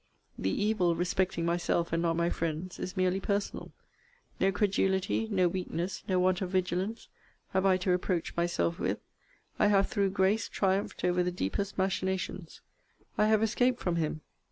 The evil, (respecting myself, and not my friends,) is merely personal. No credulity, no weakness, no want of vigilance, have I to reproach myself with. I have, through grace, triumphed over the deepest machinations. I have escaped from him.